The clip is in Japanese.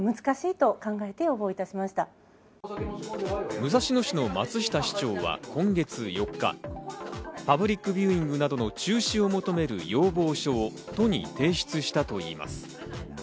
武蔵野市の松下市長は今月４日、パブリックビューイングなどの中止を求める要望書を都に提出したといいます。